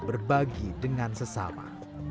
berbagi dengan sesama